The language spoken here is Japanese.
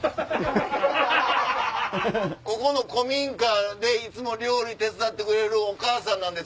ここの古民家でいつも料理手伝ってくれるおかあさんです。